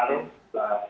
kita dapat si